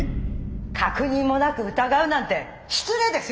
確認もなく疑うなんて失礼ですよ！